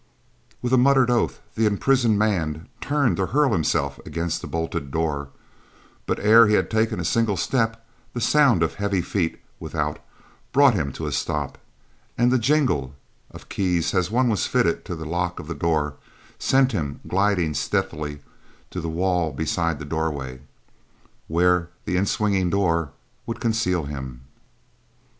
With a muttered oath, the imprisoned man turned to hurl himself against the bolted door, but ere he had taken a single step, the sound of heavy feet without brought him to a stop, and the jingle of keys as one was fitted to the lock of the door sent him gliding stealthily to the wall beside the doorway, where the inswinging door would conceal him.